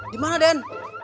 di mana den